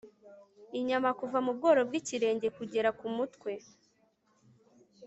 inyama kuva mu bworo bw'ikirenge kugera ku mutwe